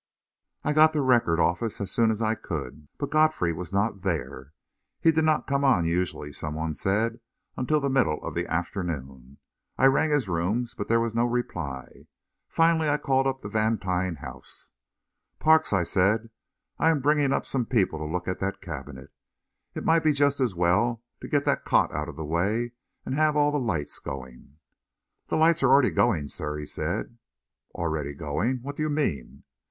I got the Record office as soon as I could, but Godfrey was not there. He did not come on usually, some one said, until the middle of the afternoon. I rang his rooms, but there was no reply. Finally I called up the Vantine house. "Parks," I said, "I am bringing up some people to look at that cabinet. It might be just as well to get that cot out of the way and have all the lights going?" "The lights are already going, sir," he said. "Already going? What do you mean?"